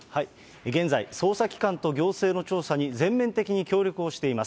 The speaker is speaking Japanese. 現在、捜査機関と行政の調査に全面的に協力をしています。